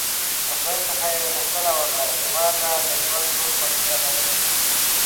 د خدای څخه ېې غوښتنه وکړه چې ماته د ژوند ګرده خوندونه راکړه!